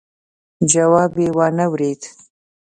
جواب يې وانه ورېد.